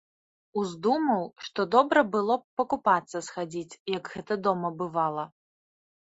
Уздумаў, што добра б было пакупацца схадзіць, як гэта дома бывала.